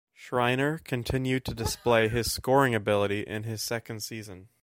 Schriner continued to display his scoring ability in his second season.